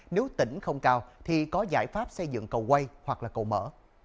nếu tỉnh không cao thì có giải pháp xây dựng cầu quay hoặc là cầu mở